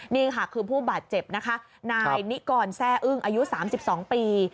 นี่ค่ะคือผู้บาดเจ็บนะคะนายนิกรแซ่อึ้งอายุ๓๒ปี